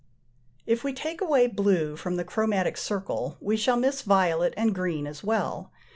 If we take away blue from the chromatic circle we shall miss violet and green as well.